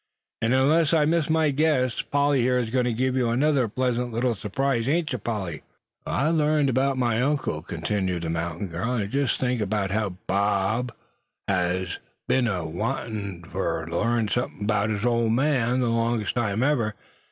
"And unless I miss my guess, Polly here is going to give you another pleasant little surprise; ain't you, Polly?" "W'en I larns thet 'bout my uncle," continued the mountain girl, "I jest thinks as how Bob hyah, he's be'n a wantin' ter larn somethin' 'bout his ole man ther longest time ever.